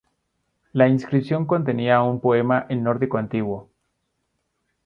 La inscripción contenía un poema en nórdico antiguo.